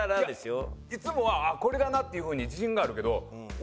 いつもはこれだなっていうふうに自信があるけど俺